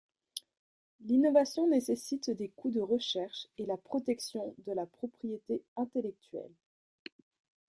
L'innovation nécessite des coûts de recherche et la protection de la propriété intellectuelle.